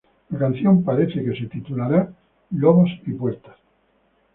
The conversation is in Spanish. La canción aparece que se titulará "Wolves And Doors".